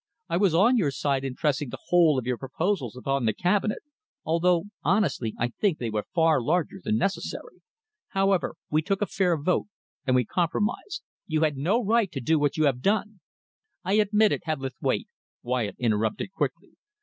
I was on your side in pressing the whole of your proposals upon the Cabinet, although honestly I think they were far larger than necessary. However, we took a fair vote, and we compromised. You had no more right to do what you have done " "I admit it, Hebblethwaite," Wyatt interrupted quickly.